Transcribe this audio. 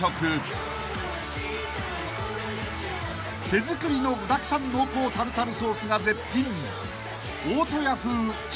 ［手作りの具だくさん濃厚タルタルソースが絶品］